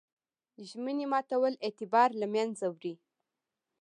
ژمنې ماتول اعتبار له منځه وړي.